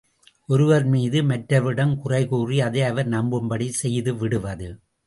ஒருவர்மீது மற்றவரிடம் குறைகூறி, அதை அவர் நம்பும்படி செய்துவிடுவது.